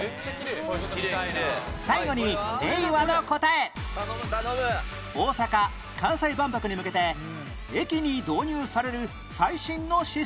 最後に大阪・関西万博に向けて駅に導入される最新のシステム